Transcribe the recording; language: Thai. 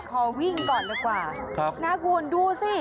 ขอวิ่งก่อนดีกว่านะคุณดูสิ